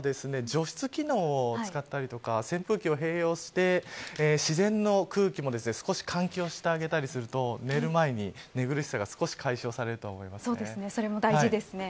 除湿機能を使ったりとか扇風機を併用して自然の空気も少し換気をしてあげたりすると寝る前に寝苦しさが少しそれも大事ですね。